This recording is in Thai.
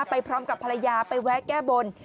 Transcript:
ไปพร้อมกับภรรยาไปแวะแก้บน